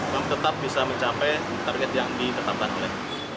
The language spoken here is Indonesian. kami tetap bisa mencapai target yang diketahui